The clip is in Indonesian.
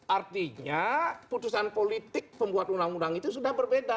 artinya putusan politik pembuat undang undang itu sudah berbeda